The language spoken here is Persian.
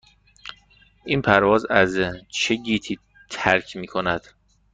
این پرواز از چه گیتی ترک می کند؟